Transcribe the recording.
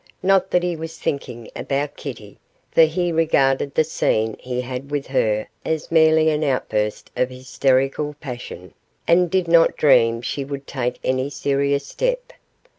Not that he was thinking about Kitty, for he regarded the scene he had with her as merely an outburst of hysterical passion, and did not dream she would take any serious step.